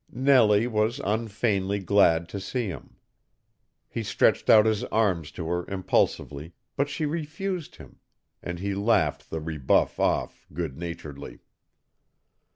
Nellie was unfeignedly glad to see him. He stretched out his arms to her impulsively, but she refused him, and he laughed the rebuff off good naturedly.